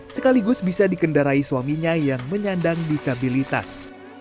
sekaligus bisa dikendarai suaminya yang menyandang disabilitas